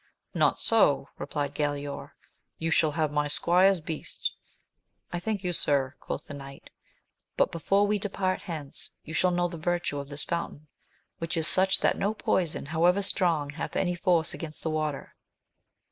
Not so, replied Galaor, you shall have my squire's beast. I thank you, sir, quoth the knight ; but, before we depart hence, you shall know the virtue of this fountain, which is such that no poison, however strong, hath any force against the water.